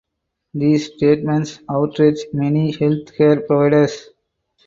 These statements outrage many health care providers.